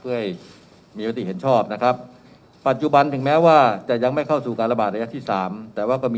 เพื่อให้มีมติเห็นชอบนะครับปัจจุบันถึงแม้ว่าจะยังไม่เข้าสู่การระบาดระยะที่สามแต่ว่าก็มี